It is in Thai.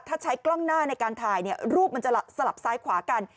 ถ้าใช้กล้องหน้าในการถ่ายรูปมันจะสลับซ้ายขวากัน